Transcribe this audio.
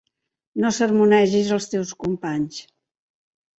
No sermonegis els teus companys.